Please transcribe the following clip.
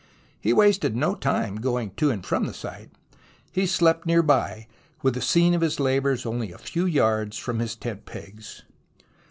He wasted no time going to and from the site. He slept near by, with the scene of his labours only a few yards from his tent pegs.